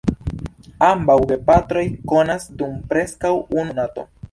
Ambaŭ gepatroj kovas dum preskaŭ unu monato.